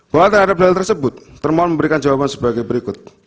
bahwa terhadap hal tersebut termohon memberikan jawaban sebagai berikut